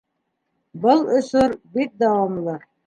Был осор бик дауамлы.